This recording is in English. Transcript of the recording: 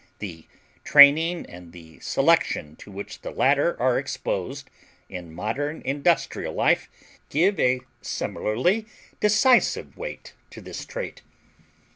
The training and the selection to which the latter are exposed in modern industrial life give a similarly decisive weight to this trait.